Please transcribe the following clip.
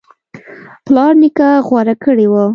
پلار نیکه غوره کړی و